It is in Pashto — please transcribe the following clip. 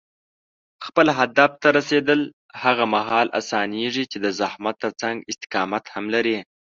خپل هدف ته رسېدل هغه مهال اسانېږي چې د زحمت ترڅنګ استقامت هم لرې.